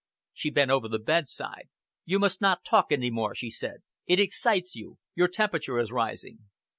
She bent over the bedside. "You must not talk any more," she said. "It excites you! Your temperature is rising."